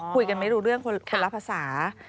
คุยกันไม่รู้เรื่องคนละภาษา